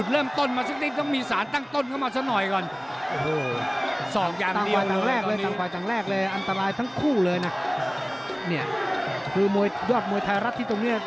แรกเลยอันตรายทั้งคู่เลยนะเนี่ยคือโมยดวัดมวยไทยรัฐที่ตรงเนี้ย